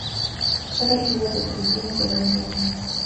Son nativas de Filipinas y Nueva Guinea.